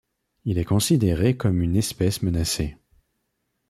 Il est considéré comme une espèce menacée.